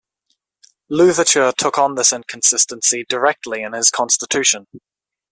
Louverture took on this inconsistency directly in his constitution.